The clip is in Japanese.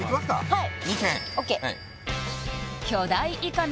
はい